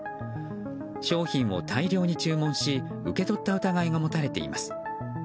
商品を大量に注文し受け取った疑いが持たれています。